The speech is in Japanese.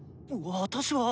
私は？